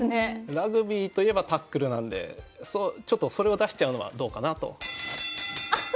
ラグビーといえばタックルなんでちょっとそれを出しちゃうのはどうかなと。